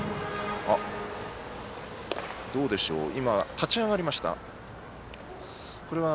今、立ち上がりました。